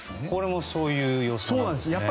これもそういう予想なんですね。